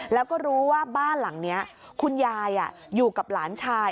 แล้วก็รู้ว่าบ้านหลังนี้คุณยายอยู่กับหลานชาย